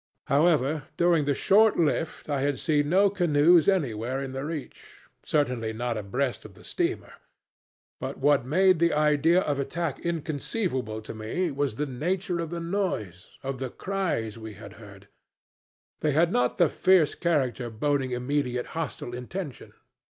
However, during the short lift I had seen no canoes anywhere in the reach certainly not abreast of the steamer. But what made the idea of attack inconceivable to me was the nature of the noise of the cries we had heard. They had not the fierce character boding of immediate hostile intention.